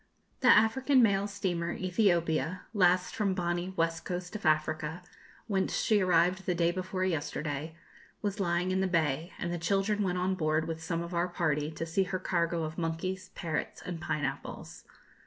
The African mail steamer, 'Ethiopia,' last from Bonny, West Coast of Africa, whence she arrived the day before yesterday, was lying in the bay, and the children went on board with some of our party to see her cargo of monkeys, parrots, and pineapples.